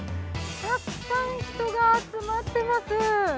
たくさん人が集まってます。